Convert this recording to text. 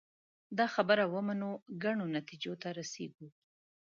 دا خبره ومنو ګڼو نتیجو ته رسېږو